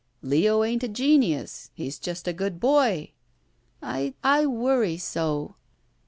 "Leo ain't a genius. He's just a good boy." "I— I worry so!"